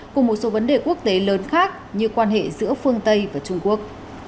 cùng một số vấn đề quốc tế lớn khác như quan hệ giữa phương tây và trung quốc